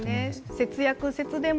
節約・節電も